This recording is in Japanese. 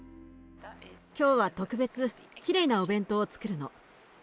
今日は特別きれいなお弁当をつくるの。